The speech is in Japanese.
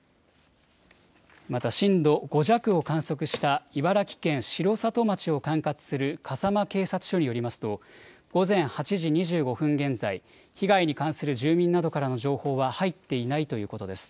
また震度５弱を観測した茨城県城里町を管轄する笠間警察署によりますと午前８時２５分現在、被害に関する住民などからの情報は入っていないということです。